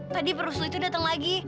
tadi perusul itu datang lagi